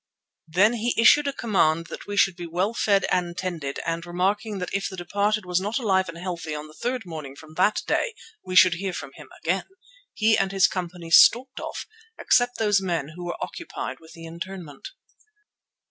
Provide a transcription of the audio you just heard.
Then he issued a command that we should be well fed and tended, and remarking that if the departed was not alive and healthy on the third morning from that day, we should hear from him again, he and his company stalked off, except those men who were occupied with the interment.